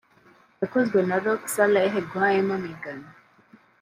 yakozwe na Rokhsareh Ghaem Maghami